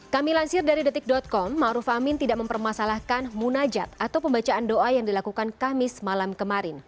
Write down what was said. kami lansir dari detik com ⁇ maruf ⁇ amin tidak mempermasalahkan munajat atau pembacaan doa yang dilakukan kamis malam kemarin